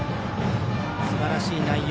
すばらしい内容。